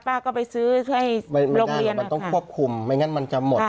ป้าก็ไปซื้อให้โรงเรียนมันต้องควบคุมไม่งั้นมันจะหมด